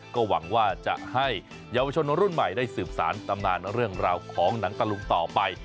ก็หวังว่าจะให้เยาวชนรุ่นใหม่ได้สืบสารตำนานเรื่องราวของหนังตะลุงต่อไป